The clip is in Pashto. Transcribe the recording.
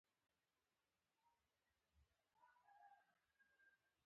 د هوايي سفر قوانین نه مراعاتوي.